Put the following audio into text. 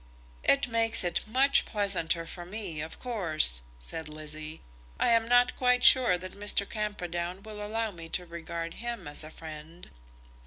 "It makes it much pleasanter for me, of course," said Lizzie. "I am not quite sure that Mr. Camperdown will allow me to regard him as a friend."